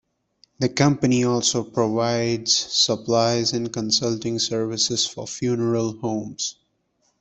The company also provides supplies and consulting services for funeral homes.